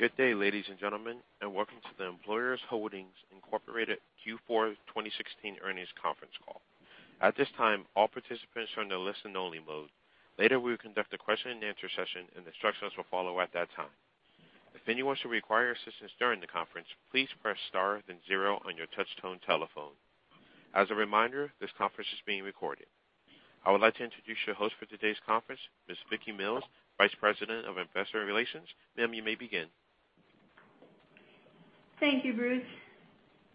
Good day, ladies and gentlemen, and welcome to the Employers Holdings Incorporated Q4 2016 earnings conference call. At this time, all participants are in the listen-only mode. Later, we will conduct a question-and-answer session, and instructions will follow at that time. If anyone should require assistance during the conference, please press star then zero on your touch-tone telephone. As a reminder, this conference is being recorded. I would like to introduce your host for today's conference, Ms. Vicki Mills, Vice President of Investor Relations. Ma'am, you may begin. Thank you, Bruce.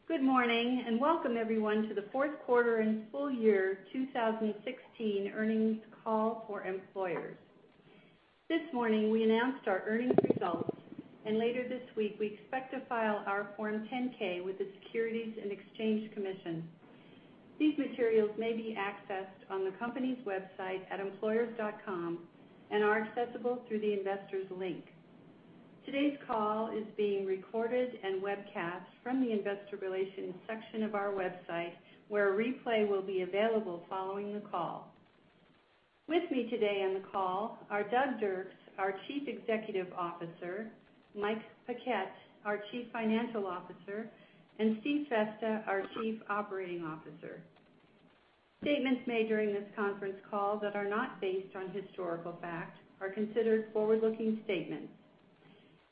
Good morning, and welcome everyone to the fourth quarter and full year 2016 earnings call for Employers. This morning, we announced our earnings results, and later this week, we expect to file our Form 10-K with the Securities and Exchange Commission. These materials may be accessed on the company's website at employers.com and are accessible through the investor's link. Today's call is being recorded and webcast from the investor relations section of our website, where a replay will be available following the call. With me today on the call are Doug Dirks, our Chief Executive Officer, Mike Paquette, our Chief Financial Officer, and Steve Festa, our Chief Operating Officer. Statements made during this conference call that are not based on historical fact are considered forward-looking statements.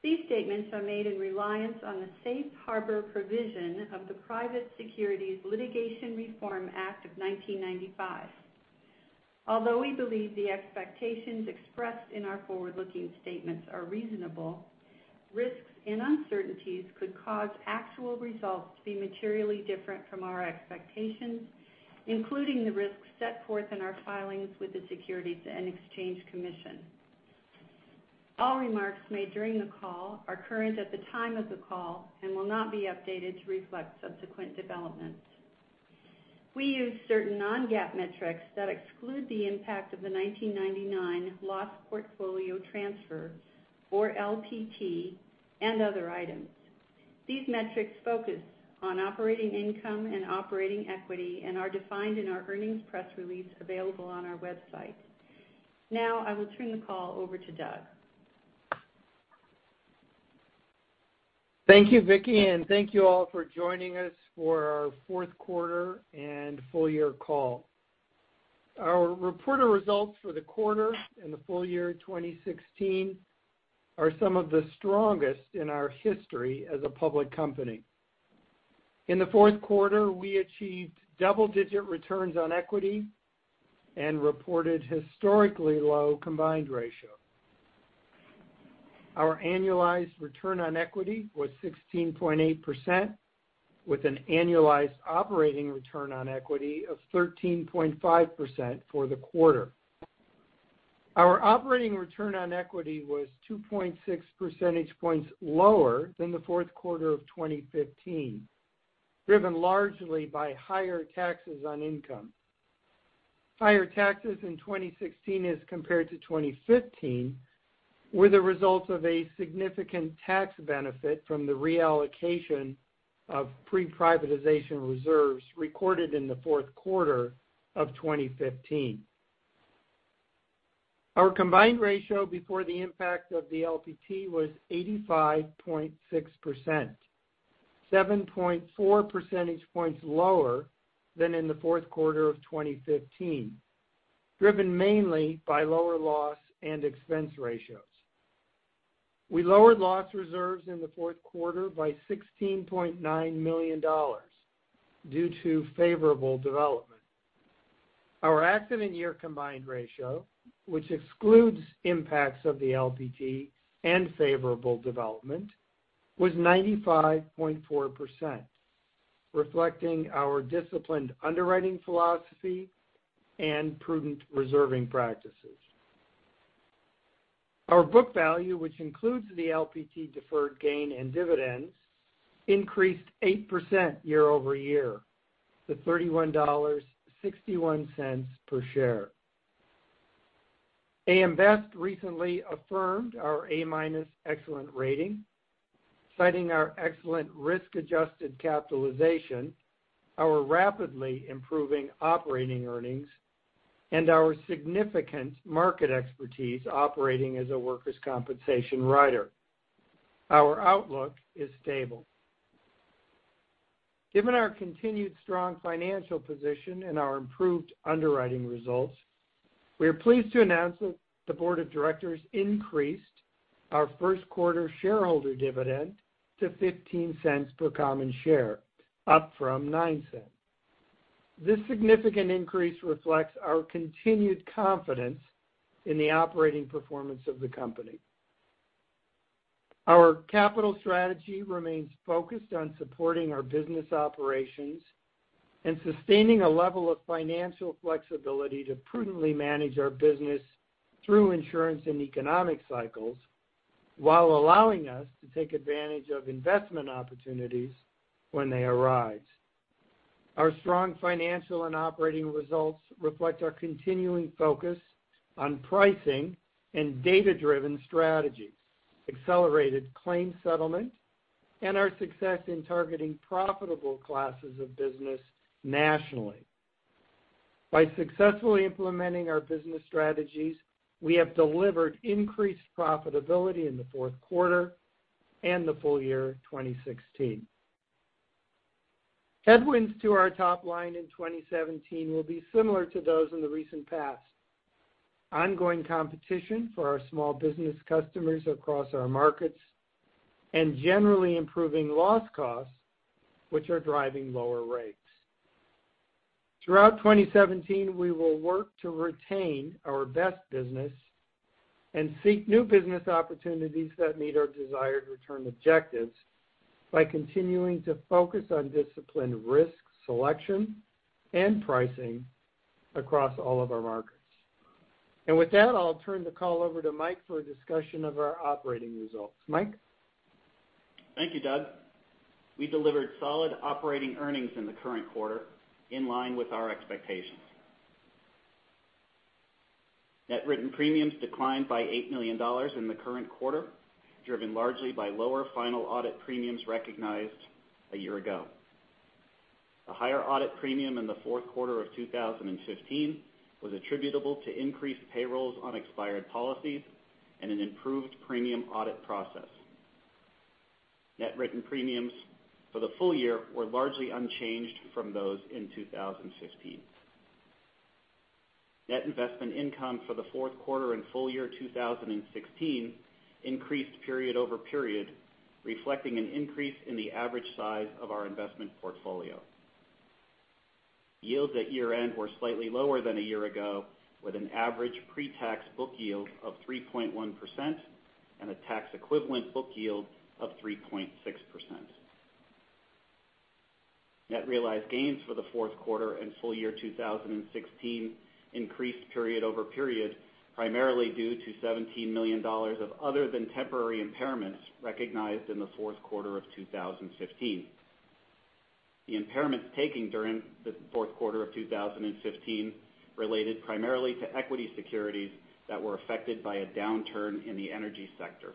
These statements are made in reliance on the Safe Harbor provision of the Private Securities Litigation Reform Act of 1995. Although we believe the expectations expressed in our forward-looking statements are reasonable, risks and uncertainties could cause actual results to be materially different from our expectations, including the risks set forth in our filings with the Securities and Exchange Commission. All remarks made during the call are current at the time of the call and will not be updated to reflect subsequent developments. We use certain non-GAAP metrics that exclude the impact of the 1999 loss portfolio transfer, or LPT, and other items. These metrics focus on operating income and operating equity and are defined in our earnings press release available on our website. Now, I will turn the call over to Doug. Thank you, Vicki, and thank you all for joining us for our fourth quarter and full year call. Our reported results for the quarter and the full year 2016 are some of the strongest in our history as a public company. In the fourth quarter, we achieved double-digit returns on equity and reported historically low combined ratio. Our annualized return on equity was 16.8%, with an annualized operating return on equity of 13.5% for the quarter. Our operating return on equity was 2.6 percentage points lower than the fourth quarter of 2015, driven largely by higher taxes on income. Higher taxes in 2016 as compared to 2015 were the result of a significant tax benefit from the reallocation of pre-privatization reserves recorded in the fourth quarter of 2015. Our combined ratio before the impact of the LPT was 85.6%, 7.4 percentage points lower than in the fourth quarter of 2015, driven mainly by lower loss and expense ratios. We lowered loss reserves in the fourth quarter by $16.9 million due to favorable development. Our accident year combined ratio, which excludes impacts of the LPT and favorable development, was 95.4%, reflecting our disciplined underwriting philosophy and prudent reserving practices. Our book value, which includes the LPT deferred gain and dividends, increased 8% year-over-year to $31.61 per share. AM Best recently affirmed our A-minus excellent rating, citing our excellent risk-adjusted capitalization, our rapidly improving operating earnings, and our significant market expertise operating as a workers' compensation writer. Our outlook is stable. Given our continued strong financial position and our improved underwriting results, we are pleased to announce that the board of directors increased our first quarter shareholder dividend to $0.15 per common share, up from $0.09. This significant increase reflects our continued confidence in the operating performance of the company. Our capital strategy remains focused on supporting our business operations and sustaining a level of financial flexibility to prudently manage our business through insurance and economic cycles, while allowing us to take advantage of investment opportunities when they arise. Our strong financial and operating results reflect our continuing focus on pricing and data-driven strategies, accelerated claims settlement, and our success in targeting profitable classes of business nationally. By successfully implementing our business strategies, we have delivered increased profitability in the fourth quarter and the full year 2016. Headwinds to our top line in 2017 will be similar to those in the recent past. Ongoing competition for our small business customers across our markets, and generally improving loss costs, which are driving lower rates. Throughout 2017, we will work to retain our best business and seek new business opportunities that meet our desired return objectives by continuing to focus on disciplined risk selection and pricing across all of our markets. With that, I'll turn the call over to Mike for a discussion of our operating results. Mike? Thank you, Doug. We delivered solid operating earnings in the current quarter, in line with our expectations. Net written premiums declined by $8 million in the current quarter, driven largely by lower final audit premiums recognized a year ago. The higher audit premium in the fourth quarter of 2015 was attributable to increased payrolls on expired policies and an improved premium audit process. Net written premiums for the full year were largely unchanged from those in 2015. Net investment income for the fourth quarter and full year 2016 increased period over period, reflecting an increase in the average size of our investment portfolio. Yields at year-end were slightly lower than a year ago, with an average pre-tax book yield of 3.1% and a tax-equivalent book yield of 3.6%. Net realized gains for the fourth quarter and full year 2016 increased period over period, primarily due to $17 million of other than temporary impairments recognized in the fourth quarter of 2015. The impairments taken during the fourth quarter of 2015 related primarily to equity securities that were affected by a downturn in the energy sector.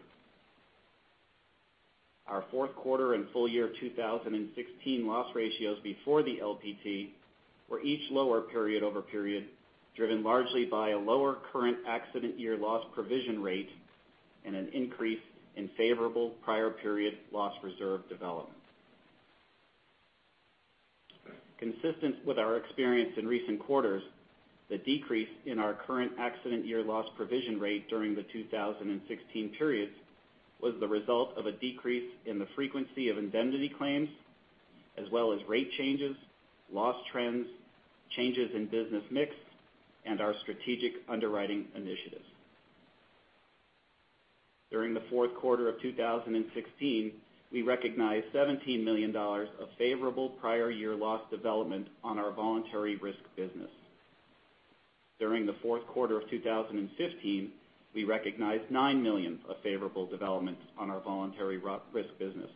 Our fourth quarter and full year 2016 loss ratios before the LPT were each lower period over period, driven largely by a lower current accident year loss provision rate and an increase in favorable prior period loss reserve development. Consistent with our experience in recent quarters, the decrease in our current accident year loss provision rate during the 2016 periods was the result of a decrease in the frequency of indemnity claims, as well as rate changes, loss trends, changes in business mix, and our strategic underwriting initiatives. During the fourth quarter of 2016, we recognized $17 million of favorable prior year loss development on our voluntary risk business. During the fourth quarter of 2015, we recognized $9 million of favorable developments on our voluntary risk business.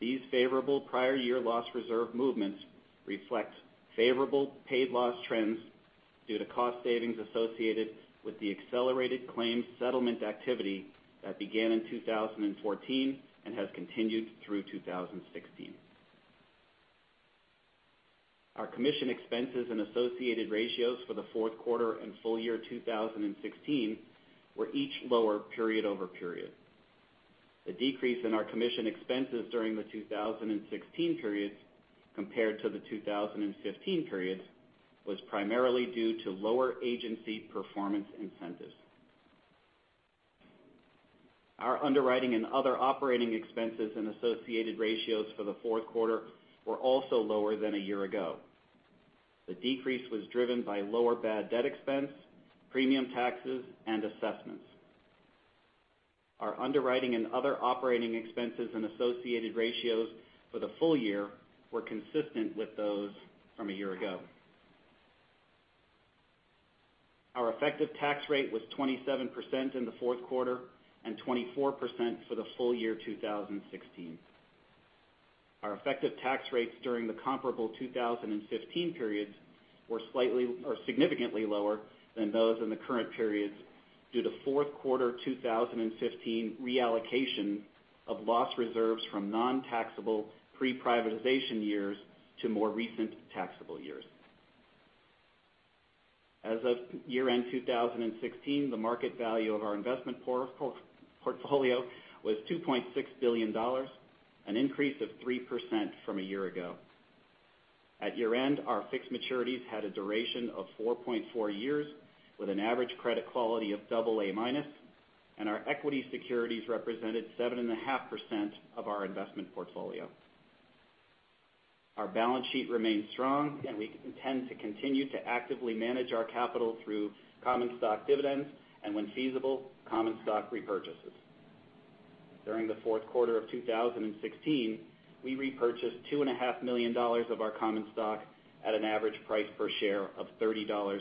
These favorable prior year loss reserve movements reflect favorable paid loss trends due to cost savings associated with the accelerated claims settlement activity that began in 2014 and has continued through 2016. Our commission expenses and associated ratios for the fourth quarter and full year 2016 were each lower period over period. The decrease in our commission expenses during the 2016 periods compared to the 2015 periods was primarily due to lower agency performance incentives. Our underwriting and other operating expenses and associated ratios for the fourth quarter were also lower than a year ago. The decrease was driven by lower bad debt expense, premium taxes, and assessments. Our underwriting and other operating expenses and associated ratios for the full year were consistent with those from a year ago. Our effective tax rate was 27% in the fourth quarter and 24% for the full year 2016. Our effective tax rates during the comparable 2015 periods were significantly lower than those in the current periods due to fourth quarter 2015 reallocation of loss reserves from non-taxable pre-privatization years to more recent taxable years. As of year-end 2016, the market value of our investment portfolio was $2.6 billion, an increase of 3% from a year ago. At year-end, our fixed maturities had a duration of 4.4 years, with an average credit quality of double A-minus, and our equity securities represented 7.5% of our investment portfolio. We intend to continue to actively manage our capital through common stock dividends, and when feasible, common stock repurchases. During the fourth quarter of 2016, we repurchased $2.5 million of our common stock at an average price per share of $30.39.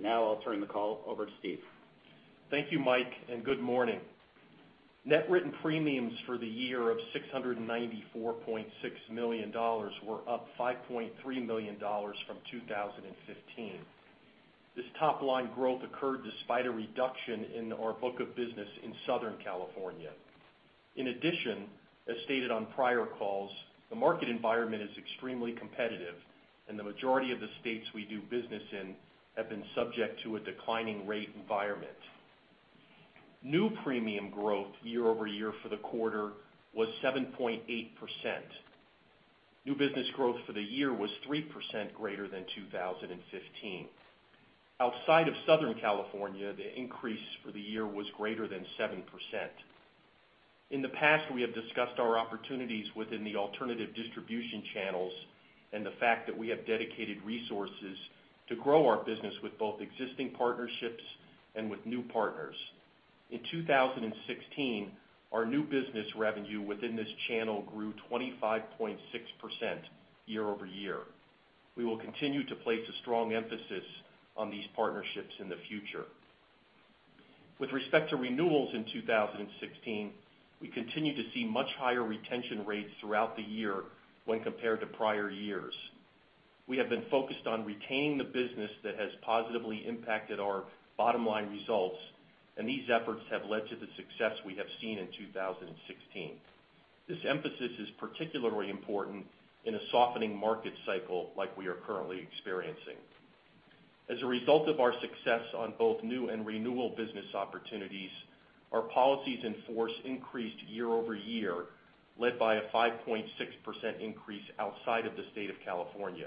Now I'll turn the call over to Steve. Thank you, Mike, and good morning. Net written premiums for the year of $694.6 million were up $5.3 million from 2015. This top-line growth occurred despite a reduction in our book of business in Southern California. In addition, as stated on prior calls, the market environment is extremely competitive, and the majority of the states we do business in have been subject to a declining rate environment. New premium growth year-over-year for the quarter was 7.8%. New business growth for the year was 3% greater than 2015. Outside of Southern California, the increase for the year was greater than 7%. In the past, we have discussed our opportunities within the alternative distribution channels and the fact that we have dedicated resources to grow our business with both existing partnerships and with new partners. In 2016, our new business revenue within this channel grew 25.6% year-over-year. We will continue to place a strong emphasis on these partnerships in the future. With respect to renewals in 2016, we continue to see much higher retention rates throughout the year when compared to prior years. We have been focused on retaining the business that has positively impacted our bottom-line results, and these efforts have led to the success we have seen in 2016. This emphasis is particularly important in a softening market cycle like we are currently experiencing. As a result of our success on both new and renewal business opportunities, our policies in force increased year-over-year, led by a 5.6% increase outside of the state of California.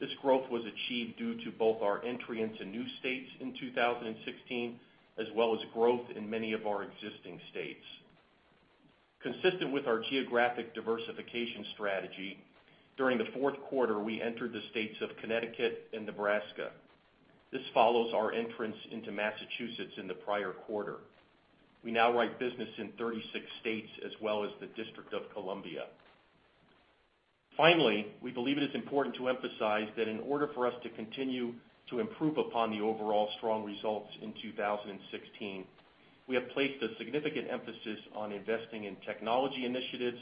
This growth was achieved due to both our entry into new states in 2016, as well as growth in many of our existing states. Consistent with our geographic diversification strategy, during the fourth quarter, we entered the states of Connecticut and Nebraska. This follows our entrance into Massachusetts in the prior quarter. We now write business in 36 states as well as the District of Columbia. Finally, we believe it is important to emphasize that in order for us to continue to improve upon the overall strong results in 2016, we have placed a significant emphasis on investing in technology initiatives,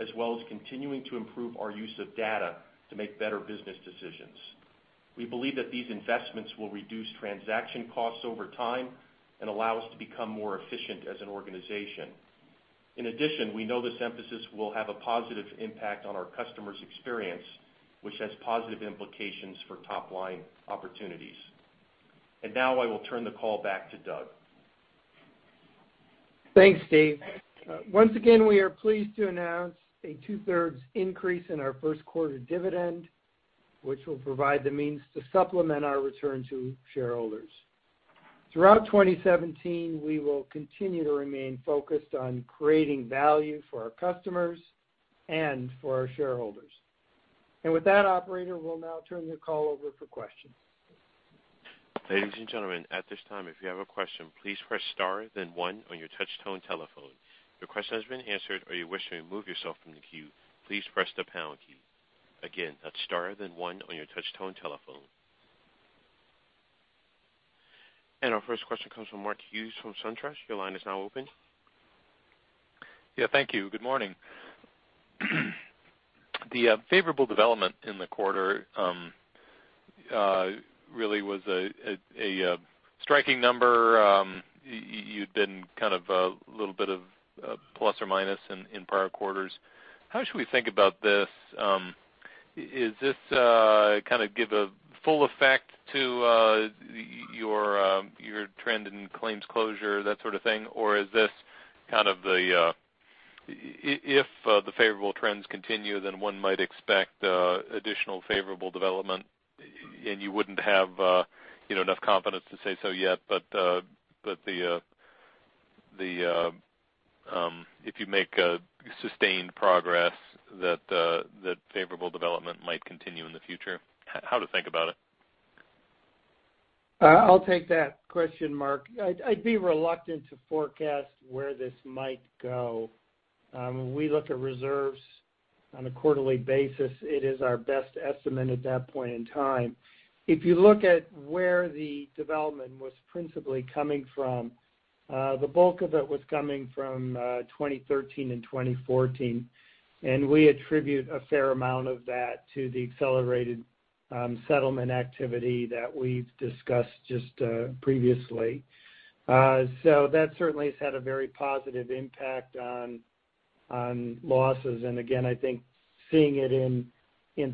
as well as continuing to improve our use of data to make better business decisions. We believe that these investments will reduce transaction costs over time and allow us to become more efficient as an organization. In addition, we know this emphasis will have a positive impact on our customers' experience, which has positive implications for top-line opportunities. Now I will turn the call back to Doug. Thanks, Steve. Once again, we are pleased to announce a two-thirds increase in our first quarter dividend, which will provide the means to supplement our return to shareholders. Throughout 2017, we will continue to remain focused on creating value for our customers and for our shareholders. With that operator, we'll now turn the call over for questions. Ladies and gentlemen, at this time, if you have a question, please press star then one on your touch tone telephone. If your question has been answered or you wish to remove yourself from the queue, please press the pound key. Again, that's star then one on your touch tone telephone. Our first question comes from Mark Hughes from SunTrust. Your line is now open. Yeah, thank you. Good morning. The favorable development in the quarter really was a striking number. You'd been kind of a little bit of a plus or minus in prior quarters. How should we think about this? Is this kind of give a full effect to your trend in claims closure, that sort of thing? Or is this kind of the, if the favorable trends continue, then one might expect additional favorable development and you wouldn't have enough confidence to say so yet, but if you make a sustained progress that favorable development might continue in the future. How to think about it? I'll take that question, Mark. I'd be reluctant to forecast where this might go. We look at reserves on a quarterly basis. It is our best estimate at that point in time. If you look at where the development was principally coming from, the bulk of it was coming from 2013 and 2014, and we attribute a fair amount of that to the accelerated settlement activity that we've discussed just previously. That certainly has had a very positive impact on losses. Again, I think seeing it in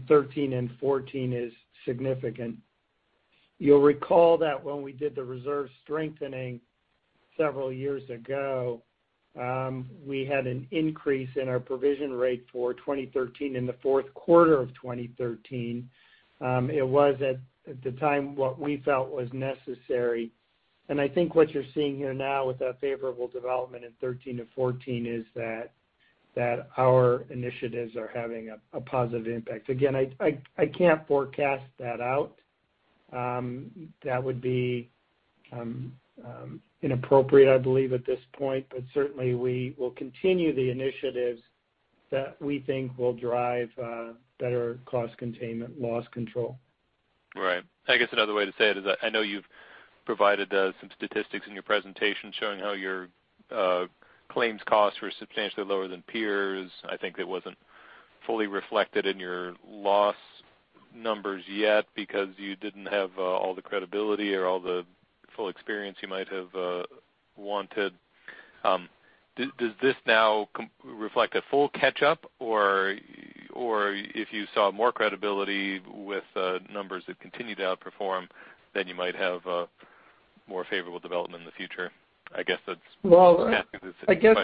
'13 and '14 is significant. You'll recall that when we did the reserve strengthening several years ago, we had an increase in our provision rate for 2013 in the fourth quarter of 2013. It was at the time what we felt was necessary. I think what you're seeing here now with that favorable development in '13 and '14 is that our initiatives are having a positive impact. Again, I can't forecast that out. That would be inappropriate, I believe, at this point, but certainly we will continue the initiatives that we think will drive better cost containment loss control. Right. I guess another way to say it is I know you've provided some statistics in your presentation showing how your claims costs were substantially lower than peers. I think it wasn't fully reflected in your loss numbers yet because you didn't have all the credibility or all the full experience you might have wanted. Does this now reflect a full catch-up? Or if you saw more credibility with numbers that continue to outperform, then you might have a more favorable development in the future? Well- Asking the same question. I guess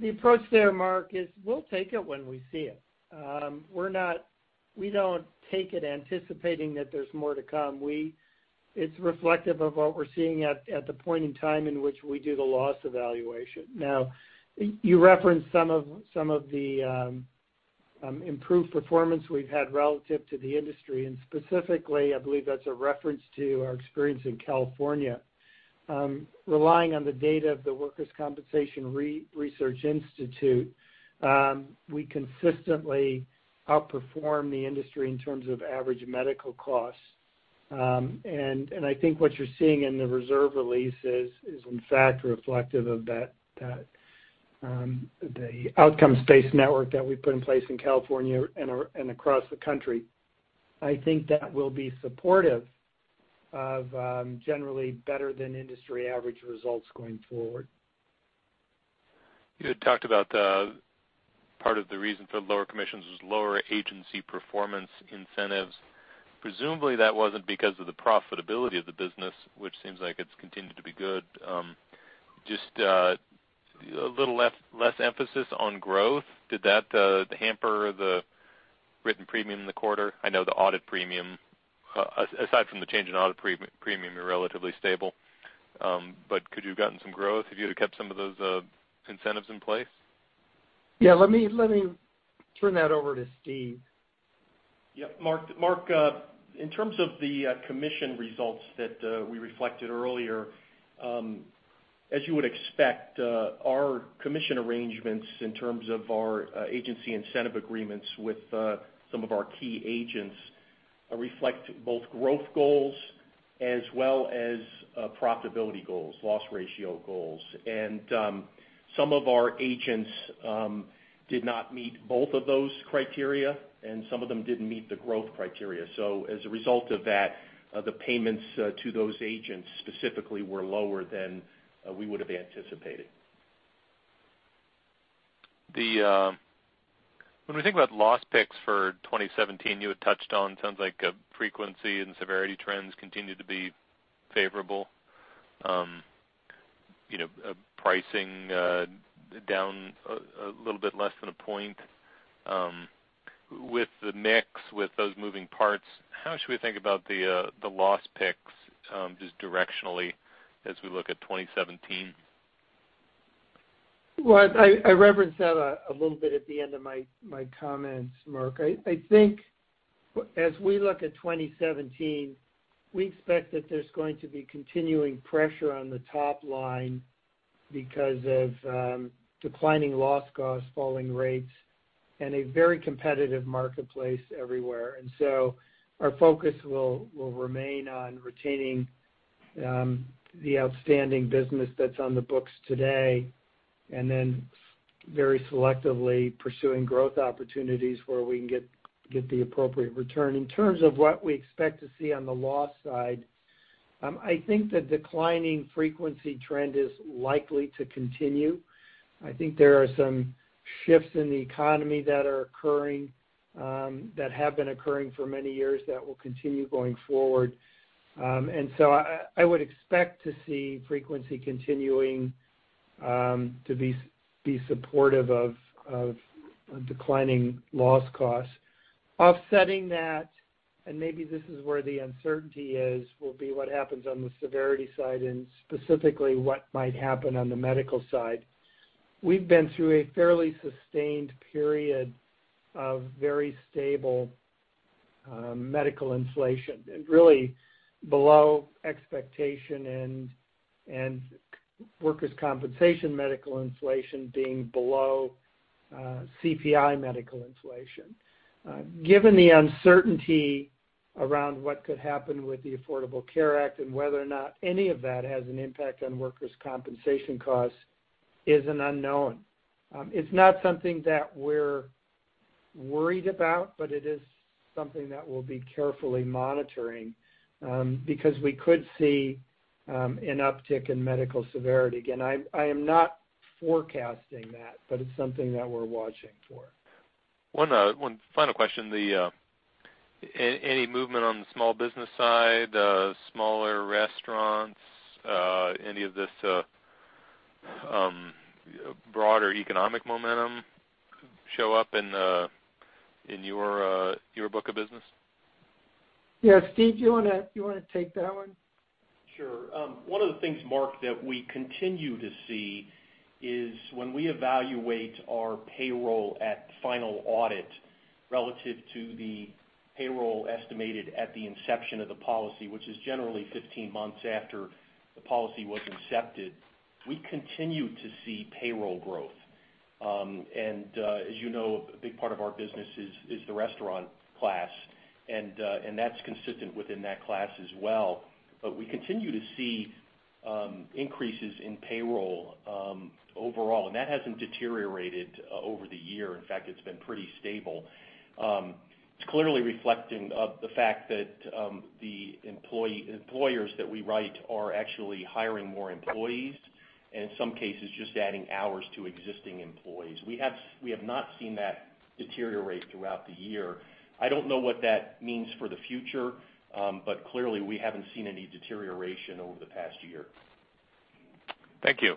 the approach there, Mark, is we'll take it when we see it. We don't take it anticipating that there's more to come. It's reflective of what we're seeing at the point in time in which we do the loss evaluation. Now, you referenced some of the improved performance we've had relative to the industry, and specifically, I believe that's a reference to our experience in California. Relying on the data of the Workers Compensation Research Institute, we consistently outperform the industry in terms of average medical costs. I think what you're seeing in the reserve release is in fact reflective of the outcomes-based network that we put in place in California and across the country. I think that will be supportive of generally better than industry average results going forward. You had talked about part of the reason for lower commissions was lower agency performance incentives. Presumably, that wasn't because of the profitability of the business, which seems like it's continued to be good. Just a little less emphasis on growth. Did that hamper the written premium in the quarter? I know the audit premium, aside from the change in audit premium, are relatively stable. Could you have gotten some growth if you'd have kept some of those incentives in place? Yeah, let me turn that over to Steve. Yep. Mark, in terms of the commission results that we reflected earlier, as you would expect, our commission arrangements in terms of our agency incentive agreements with some of our key agents reflect both growth goals as well as profitability goals, loss ratio goals. Some of our agents did not meet both of those criteria, and some of them didn't meet the growth criteria. As a result of that, the payments to those agents specifically were lower than we would've anticipated. When we think about loss picks for 2017, you had touched on sounds like frequency and severity trends continue to be favorable. Pricing down a little bit less than a point. With the mix, with those moving parts, how should we think about the loss picks just directionally as we look at 2017? Well, I referenced that a little bit at the end of my comments, Mark. I think as we look at 2017, we expect that there's going to be continuing pressure on the top line because of declining loss costs, falling rates, and a very competitive marketplace everywhere. Our focus will remain on retaining the outstanding business that's on the books today, and then very selectively pursuing growth opportunities where we can get the appropriate return. In terms of what we expect to see on the loss side, I think the declining frequency trend is likely to continue. I think there are some shifts in the economy that have been occurring for many years that will continue going forward. I would expect to see frequency continuing to be supportive of declining loss costs. Offsetting that, maybe this is where the uncertainty is, will be what happens on the severity side and specifically what might happen on the medical side. We've been through a fairly sustained period of very stable medical inflation, and really below expectation and workers' compensation medical inflation being below CPI medical inflation. Given the uncertainty around what could happen with the Affordable Care Act and whether or not any of that has an impact on workers' compensation costs is an unknown. It's not something that we're worried about, but it is something that we'll be carefully monitoring, because we could see an uptick in medical severity. Again, I am not forecasting that, but it's something that we're watching for. One final question. Any movement on the small business side, smaller restaurants, any of this broader economic momentum show up in your book of business? Yeah, Steve, do you want to take that one? Sure. One of the things, Mark, that we continue to see is when we evaluate our payroll at final audit relative to the payroll estimated at the inception of the policy, which is generally 15 months after the policy was incepted, we continue to see payroll growth. As you know, a big part of our business is the restaurant class, and that's consistent within that class as well. We continue to see increases in payroll overall. That hasn't deteriorated over the year. In fact, it's been pretty stable. It's clearly reflecting of the fact that the employers that we write are actually hiring more employees, and in some cases, just adding hours to existing employees. We have not seen that deteriorate throughout the year. I don't know what that means for the future. Clearly, we haven't seen any deterioration over the past year. Thank you.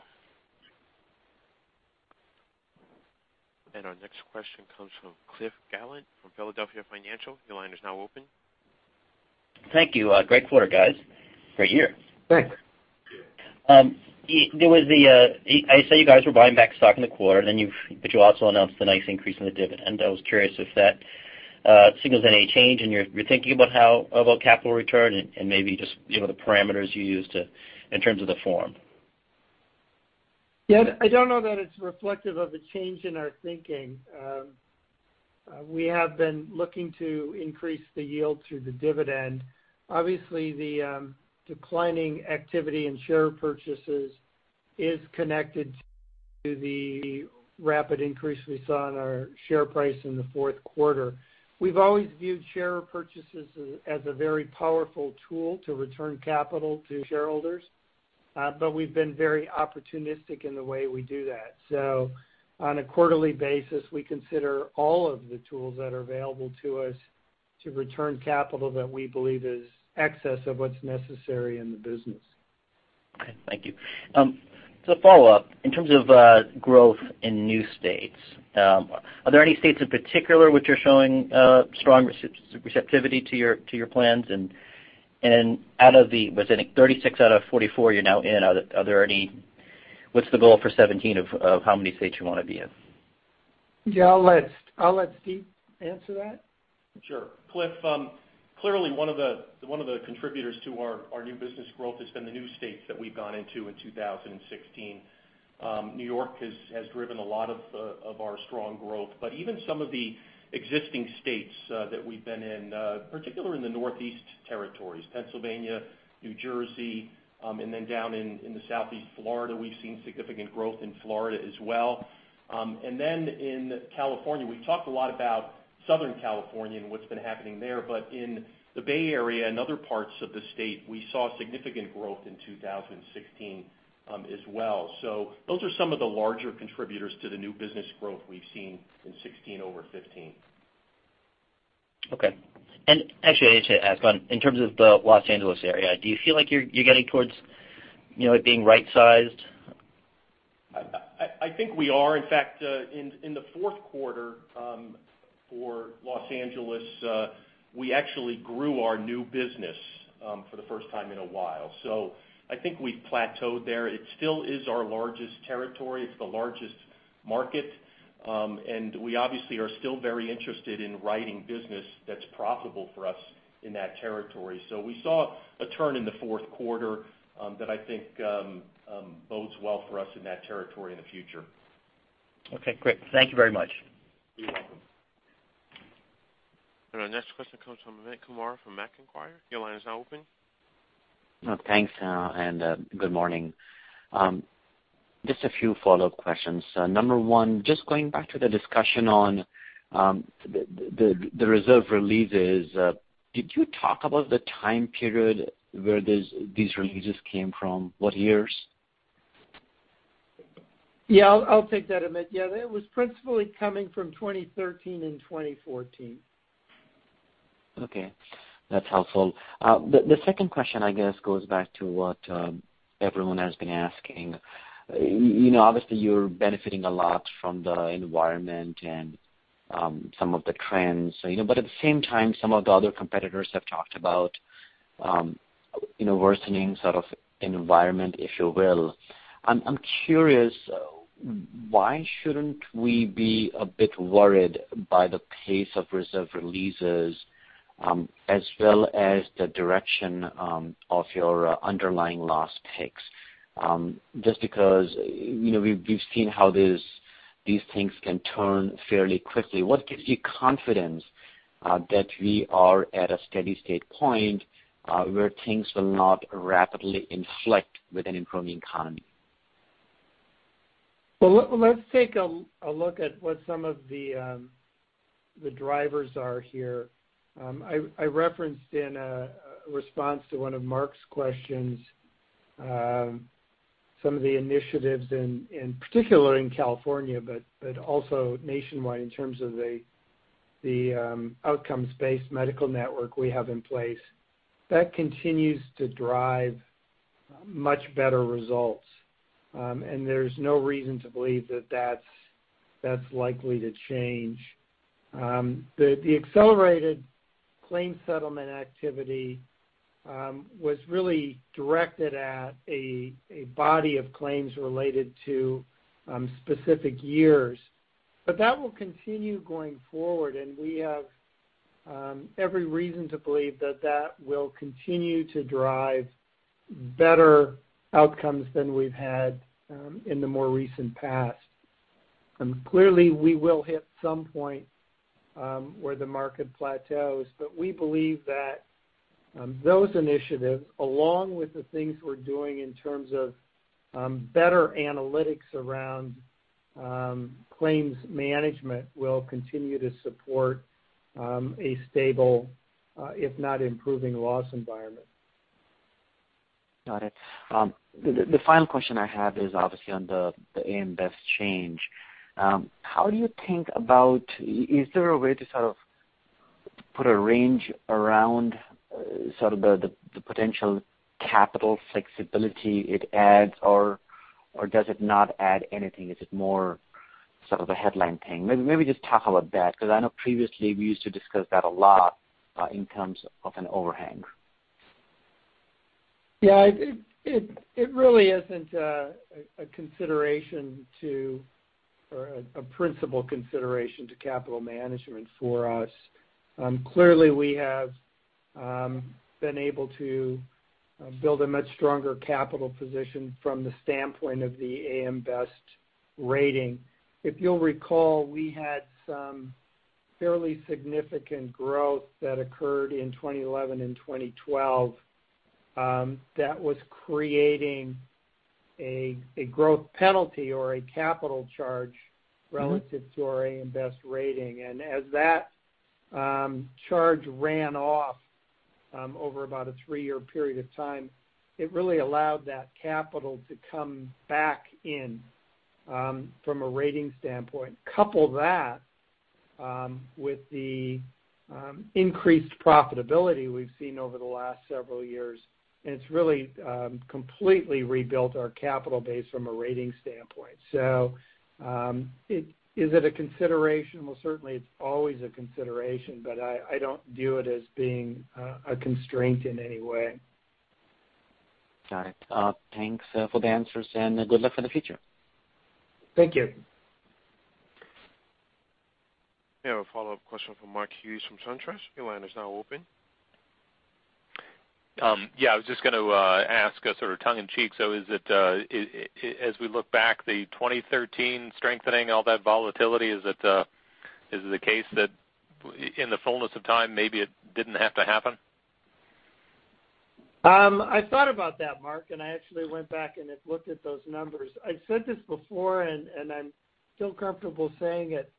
Our next question comes from Cliff Gallant from Philadelphia Financial. Your line is now open. Thank you. Great quarter, guys. Great year. Thanks. I saw you guys were buying back stock in the quarter, but you also announced a nice increase in the dividend. I was curious if that signals any change in your thinking about capital return and maybe just the parameters you use in terms of the form. Yeah, I don't know that it's reflective of a change in our thinking. We have been looking to increase the yield through the dividend. Obviously, the declining activity in share purchases is connected to the rapid increase we saw in our share price in the fourth quarter. We've always viewed share purchases as a very powerful tool to return capital to shareholders, but we've been very opportunistic in the way we do that. On a quarterly basis, we consider all of the tools that are available to us to return capital that we believe is excess of what's necessary in the business. Okay, thank you. As a follow-up, in terms of growth in new states, are there any states in particular which are showing strong receptivity to your plans? Out of the, was it 36 out of 44 you're now in, what's the goal for 2017 of how many states you want to be in? Yeah, I'll let Steve answer that. Sure. Cliff, clearly one of the contributors to our new business growth has been the new states that we've gone into in 2016. New York has driven a lot of our strong growth. Even some of the existing states that we've been in, particularly in the Northeast territories, Pennsylvania, New Jersey, down in the Southeast, Florida, we've seen significant growth in Florida as well. In California. We've talked a lot about Southern California and what's been happening there, but in the Bay Area and other parts of the state, we saw significant growth in 2016 as well. Those are some of the larger contributors to the new business growth we've seen in 2016 over 2015. Okay. Actually, I need to ask, in terms of the Los Angeles area, do you feel like you're getting towards it being right-sized? I think we are. In fact, in the fourth quarter for Los Angeles, we actually grew our new business for the first time in a while. I think we've plateaued there. It still is our largest territory. It's the largest market. We obviously are still very interested in writing business that's profitable for us in that territory. We saw a turn in the fourth quarter that I think bodes well for us in that territory in the future. Okay, great. Thank you very much. You're welcome. Our next question comes from Amit Kumar from Macquarie. Your line is now open. Thanks, and good morning. Just a few follow-up questions. Number 1, just going back to the discussion on the reserve releases, did you talk about the time period where these releases came from? What years? I'll take that, Amit. That was principally coming from 2013 and 2014. Okay. That's helpful. The second question, I guess, goes back to what everyone has been asking. Obviously, you're benefiting a lot from the environment and some of the trends. At the same time, some of the other competitors have talked about worsening sort of environment, if you will. I'm curious, why shouldn't we be a bit worried by the pace of reserve releases as well as the direction of your underlying loss picks? Just because we've seen how these things can turn fairly quickly. What gives you confidence that we are at a steady state point where things will not rapidly inflect with an improving economy? Well, let's take a look at what some of the drivers are here. I referenced in a response to one of Mark's questions some of the initiatives in particular in California, but also nationwide in terms of the outcomes-based medical network we have in place. That continues to drive much better results, and there's no reason to believe that that's likely to change. The accelerated claims settlement activity was really directed at a body of claims related to specific years. That will continue going forward, and we have Every reason to believe that that will continue to drive better outcomes than we've had in the more recent past. Clearly, we will hit some point where the market plateaus. We believe that those initiatives, along with the things we're doing in terms of better analytics around claims management, will continue to support a stable, if not improving, loss environment. Got it. The final question I have is obviously on the AM Best change. How do you think about, is there a way to put a range around the potential capital flexibility it adds, or does it not add anything? Is it more sort of a headline thing? Maybe just talk about that, because I know previously we used to discuss that a lot in terms of an overhang. Yeah. It really isn't a consideration to, or a principal consideration to capital management for us. Clearly, we have been able to build a much stronger capital position from the standpoint of the AM Best rating. If you'll recall, we had some fairly significant growth that occurred in 2011 and 2012 that was creating a growth penalty or a capital charge relative to our AM Best rating. As that charge ran off over about a three-year period of time, it really allowed that capital to come back in from a rating standpoint. Couple that with the increased profitability we've seen over the last several years, and it's really completely rebuilt our capital base from a rating standpoint. Is it a consideration? Well, certainly it's always a consideration, but I don't view it as being a constraint in any way. Got it. Thanks for the answers, good luck for the future. Thank you. We have a follow-up question from Mark Hughes from SunTrust. Your line is now open. Yeah, I was just going to ask sort of tongue in cheek, so as we look back, the 2013 strengthening, all that volatility, is it the case that in the fullness of time, maybe it didn't have to happen? I thought about that, Mark, and I actually went back and had looked at those numbers. I said this before, and I'm still comfortable saying it.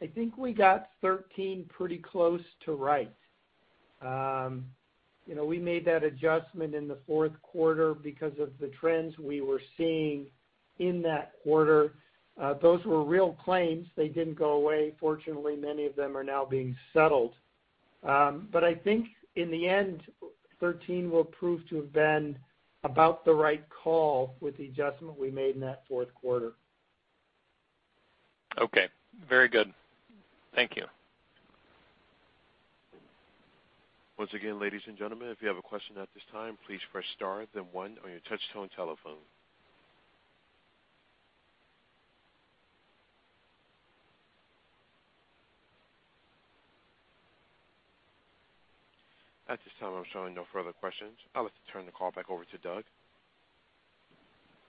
I think we got 2013 pretty close to right. We made that adjustment in the fourth quarter because of the trends we were seeing in that quarter. Those were real claims. They didn't go away. Fortunately, many of them are now being settled. I think in the end, 2013 will prove to have been about the right call with the adjustment we made in that fourth quarter. Okay. Very good. Thank you. Once again, ladies and gentlemen, if you have a question at this time, please press star, then one on your touch-tone telephone. At this time, I'm showing no further questions. I'd like to turn the call back over to Doug.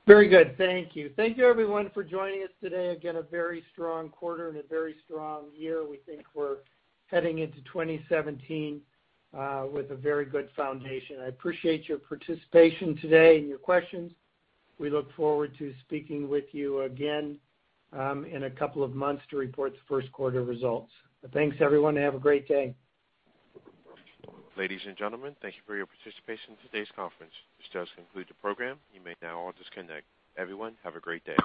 Very good. Thank you. Thank you everyone for joining us today. A very strong quarter and a very strong year. We think we're heading into 2017 with a very good foundation. I appreciate your participation today and your questions. We look forward to speaking with you again in a couple of months to report the first quarter results. Thanks everyone, and have a great day. Ladies and gentlemen, thank you for your participation in today's conference. This does conclude the program. You may now all disconnect. Everyone, have a great day.